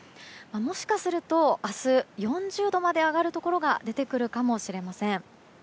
もしかすると明日４０度まで上がるところが出てくるかもしれません。